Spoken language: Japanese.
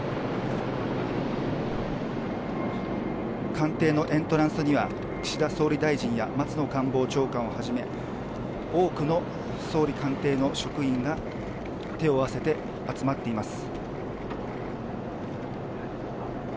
官邸のエントランスには岸田総理大臣や松野官房長官をはじめ多くの総理官邸の職員が手を合わせて集まっています。